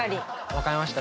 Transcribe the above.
分かりました。